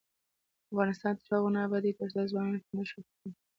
افغانستان تر هغو نه ابادیږي، ترڅو ځوانان په نشو اخته وي.